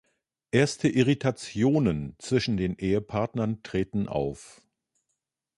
Erste Irritationen zwischen den Ehepartnern treten auf.